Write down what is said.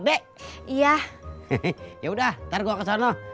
hehehe ya sudah nanti saya ke sana